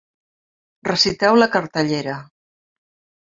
Reciteu la cartellera.